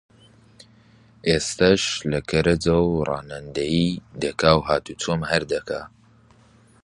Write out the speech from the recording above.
ئێستەش لە کەرەجە و ڕانندەیی دەکا و هاتوچۆم هەر دەکا